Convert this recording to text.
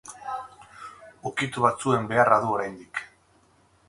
Ukitu batzuen beharra du oraindik.